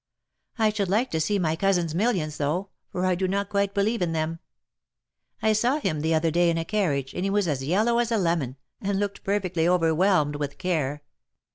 I should like to see my cousin's millions, though, for I do not quite believe in them. I saw him the other day in a carriage, and he was as yellow as a lemon, and looked perfectly overwhelmed with care.